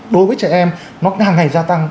đối với trẻ em nó hàng ngày gia tăng